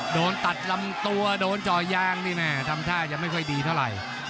โดนตัดลำตัวโดนจ่อยางนี่แม่ทำท่าจะไม่ค่อยดีเท่าไหร่